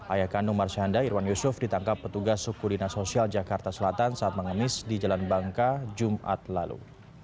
ayahkanu marsyanda irwan yusuf ditangkap petugas sukulina sosial jakarta selatan saat mengemis di jalan bangka jumat lalu